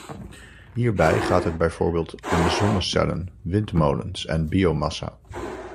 Hierbij gaat het bijvoorbeeld om zonnecellen, windmolens en biomassa.